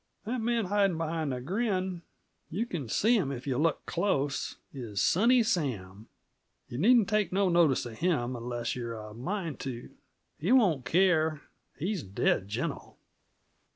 That man hidin' behind the grin you can see him if yuh look close is Sunny Sam. Yuh needn't take no notice of him, unless you're a mind to. He won't care he's dead gentle.